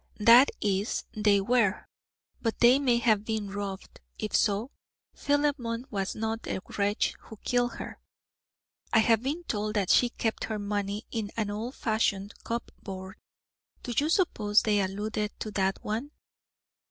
"That is, they were; but they may have been robbed; if so, Philemon was not the wretch who killed her. I have been told that she kept her money in an old fashioned cupboard. Do you suppose they alluded to that one?"